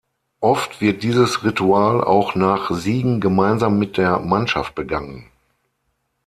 Oft wird dieses Ritual auch nach Siegen gemeinsam mit der Mannschaft begangen.